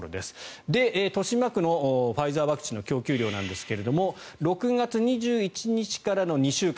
豊島区のファイザーワクチンの供給量なんですが６月２１日からの２週間。